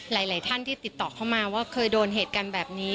หลายท่านที่ติดต่อเข้ามาว่าเคยโดนเหตุการณ์แบบนี้